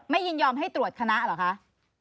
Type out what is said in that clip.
ยินยอมให้ตรวจคณะเหรอคะ